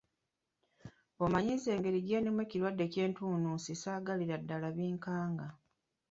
Omanyi nze engeri gye ndimu ekirwadde ky’entunnunsi saagalira ddala binkanga.